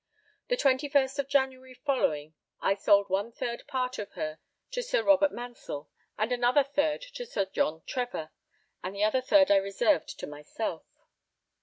_The 21st of January following I sold one third part of her to Sir Robert Mansell and another third to Sir John Trevor, and the other third I reserved to myself.